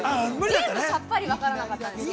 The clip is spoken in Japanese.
全部さっぱり分からなかったんですけど。